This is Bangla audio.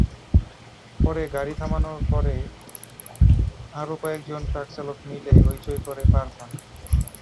পরে গাড়ি থামানোর পরে আরও কয়েকজন ট্রাকচালক মিলে হইচই করে পার পান।